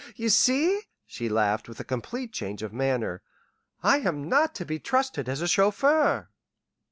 "You see," she laughed with a complete change of manner, "I am not to be trusted as a chauffeur."